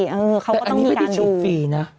เออเขาก็ต้องมีการดูแต่อันนี้ไม่ได้ฉีดฟรีนะ